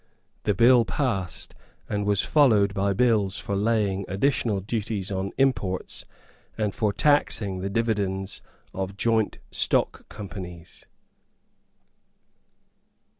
The bill passed, and was followed by bills for laying additional duties on imports, and for taxing the dividends of joint stock companies.